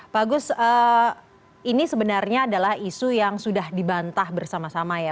pak agus ini sebenarnya adalah isu yang sudah dibantah bersama sama ya